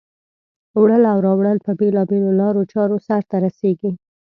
وړل او راوړل په بېلا بېلو لارو چارو سرته رسیږي.